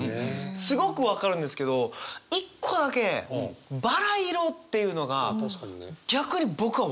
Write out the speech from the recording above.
すごく分かるんですけど一個だけ「ばら色」っていうのが逆に僕は分からないというか。